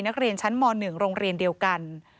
นักเรียนชั้นม๑โรงเรียนเดียวกัน